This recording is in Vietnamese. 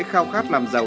khao khát làm giàu